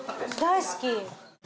大好き。